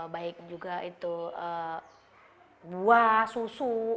baik juga itu buah susu